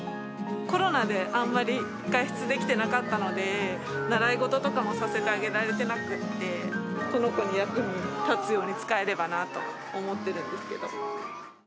コロナであんまり外出できてなかったので、習い事とかもさせてあげられていなくて、この子の役に立つように使えればなと思ってるんですけど。